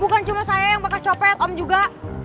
bukan cuma saya yang pakai copet om juga